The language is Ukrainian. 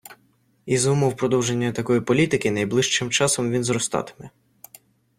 І за умов продовження такої політики найближчим часом він зростатиме.